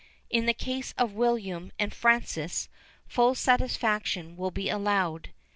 In the case of the William and Francis full satisfaction will be allowed.